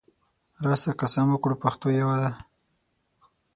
راسه قسم وکړو پښتو یوه ده